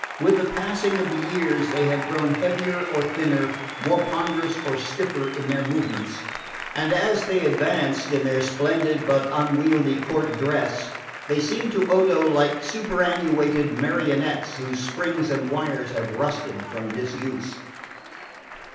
With the passing of the years they had grown heavier or thinner, more ponderous or stiffer in their movements, and as they advanced, in their splendid but unwieldy court dress, they seemed to Odo like superannuated marionettes whose springs and wires have rusted from disuse.